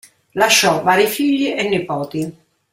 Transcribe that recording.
Lasciò vari figli e nipoti.